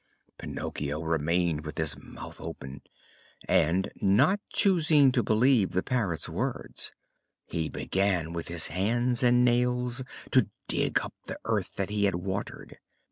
Pinocchio remained with his mouth open and, not choosing to believe the Parrot's words, he began with his hands and nails to dig up the earth that he had watered.